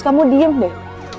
kamu diem deh